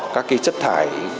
các cái chất thải